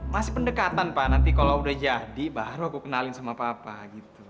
masih pendekatan pak nanti kalau udah jadi baru aku kenalin sama papa gitu